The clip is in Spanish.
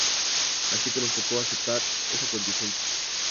Así que nos tocó aceptar esa contingencia.